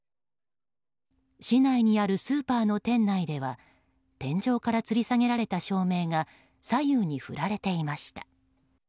市内にあるスーパーの店内では天井からつりさげられた照明が左右に振られていました。